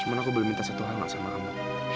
cuma aku minta satu hal sama kamu